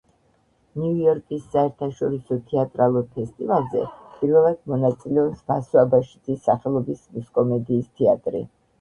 ნიუ იორკის საერთაშორისო თეატრალურ ფესტივალზე პირველად მონაწილეობს ვასო აბაშიძის სახელობის მუსკომედიის თეატრი.